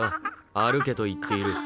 歩けと言っている。